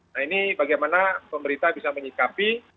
nah ini bagaimana pemerintah bisa menyikapi